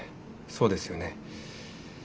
そうですよね。